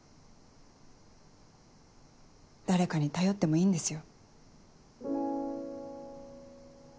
誰かに頼ってもいいんですよ。